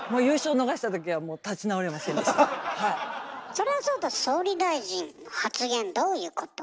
それはそうと総理大臣の発言どういうこと？